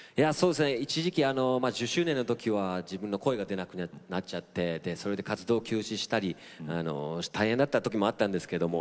一時期１０周年の時は自分の声が出なくなっちゃってそれで活動を休止したり大変だった時もあったんですけども